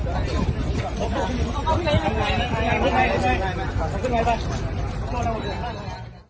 โปรดติดตามตอนต่อไป